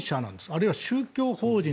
あるいは宗教法人？